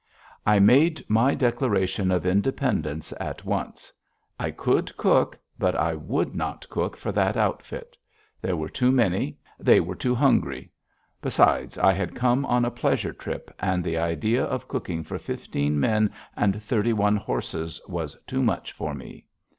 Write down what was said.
I made my declaration of independence at once. I could cook; but I would not cook for that outfit. There were too many; they were too hungry. Besides, I had come on a pleasure trip, and the idea of cooking for fifteen men and thirty one horses was too much for me.